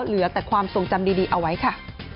เหลือแต่ความทรงจำดีเอาไว้ค่ะ